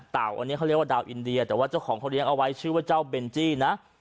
อันนี้เขาเรียกว่าดาวอินเดียแต่ว่าเจ้าของเขาเลี้ยงเอาไว้ชื่อว่าเจ้าเบนจี้นะ